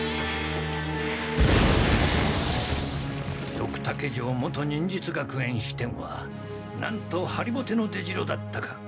ドクタケ城元忍術学園支店はなんとはりぼての出城だったか。